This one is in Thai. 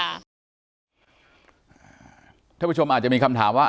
ท่านผู้ชมอาจจะมีคำถามว่า